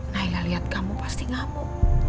nailah liat kamu pasti ngamuk